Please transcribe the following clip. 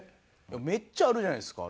めっちゃあるじゃないですか